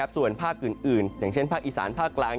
ส่วนภาคอื่นอย่างเช่นภาคอีสานภาคกลาง